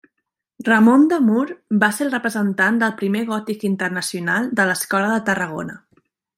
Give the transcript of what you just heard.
Ramon de Mur va ser el representant del primer gòtic internacional de l'escola de Tarragona.